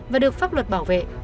và được pháp luật bảo vệ